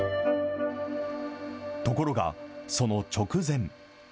ところがその直前。